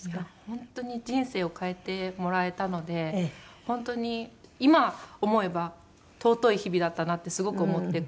本当に人生を変えてもらえたので本当に今思えば尊い日々だったなってすごく思って。